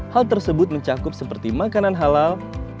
hal tersebut mencakup seperti makanan halal